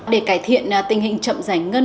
để cải thiện tình hình chậm giải ngân